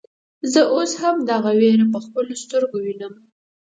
زه اوس هم دغه وير په خپلو سترګو وينم.